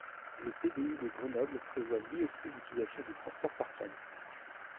Le PDU de Grenoble prévoit lui aussi l’utilisation du transport par câble.